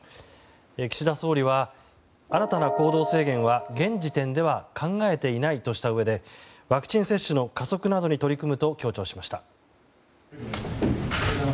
岸田総理は新たな行動制限は現時点では考えていないとしたうえでワクチン接種の加速などに取り組むと強調しました。